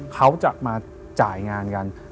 เขาจะมาจ่ายงานกัน